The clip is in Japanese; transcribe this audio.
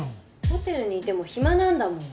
ホテルにいても暇なんだもん。